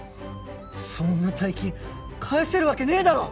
そんな大金返せるわけねえだろ！